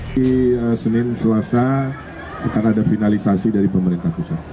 di senin selasa akan ada finalisasi dari pemerintah pusat